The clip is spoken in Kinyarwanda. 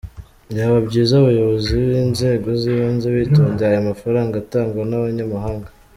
Byaba byiza abayobozi b’inzego z’ibanze bitondeye aya mafaranga atangwa n’abanyamahanga.